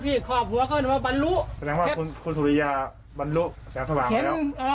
แสนว่าขุนสุริยาบรรลุก็แสนสบายไปแล้ว